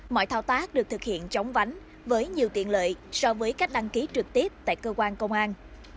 mọi thao tác được thực hiện chống vánh với nhiều tiện lợi so với cách đăng ký trực tiếp tại cơ quan công an